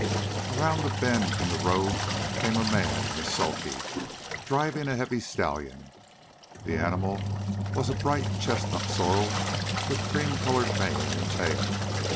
Around a bend in the road came a man in a sulky, driving a heavy stallion. The animal was a bright chestnut sorrel, with cream colored mane and tail.